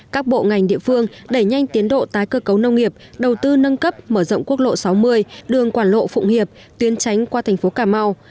các bộ ngành địa phương đẩy nhanh tiến độ tái cơ cấu nông nghiệp đầu tư nâng cấp mở rộng quốc lộ sáu mươi đường quảng lộ phụng hiệp tuyến tránh qua thành phố cà mau